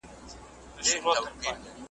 تورېدلي، ترهېدلي به مرغان وي ,